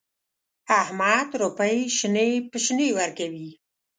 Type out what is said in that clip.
احمد روپۍ شنې په شنې ورکوي.